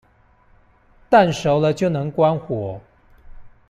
蛋熟了就能關火